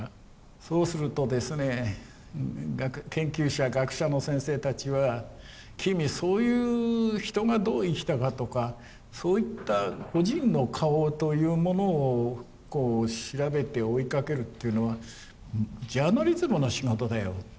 そうするとですね研究者学者の先生たちは君そういう人がどう生きたかとかそういった個人の顔というものをこう調べて追いかけるっていうのはジャーナリズムの仕事だよ。